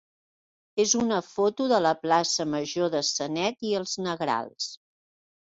és una foto de la plaça major de Sanet i els Negrals.